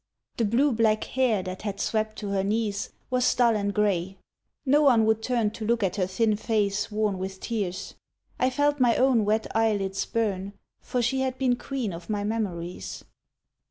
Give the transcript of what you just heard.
The blue black hair that had swept to her knees Was dull and grey. No one would turn To look at her thin face worn with tears. I felt my own wet eyelids burn, For she had been queen of my memories.